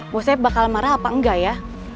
maksudnya bakal marah apa enggak ya